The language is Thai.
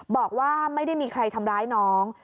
บอกว่าไม่ได้มีใครทำร้ายน้อง